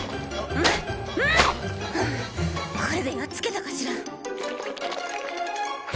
ふぅこれでやっつけたかしら。